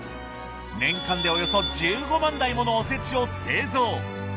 年間でおよそ１５万台ものおせちを製造。